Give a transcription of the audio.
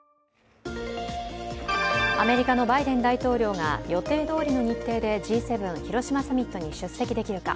アメリカのバイデン大統領が予定どおりの日程でＧ７広島サミットに出席できるか。